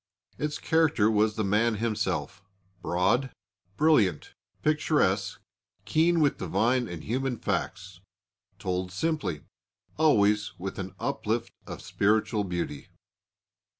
Its character was the man himself, broad, brilliant, picturesque, keen with divine and human facts, told simply, always with an uplift of spiritual beauty.